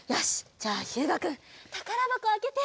じゃあひゅうがくんたからばこをあけて。